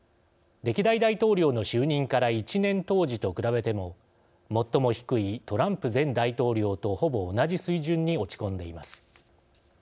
歴代大統領の就任から１年当時と比べても最も低いトランプ前大統領とほぼ同じ水準に落ち込んでいます。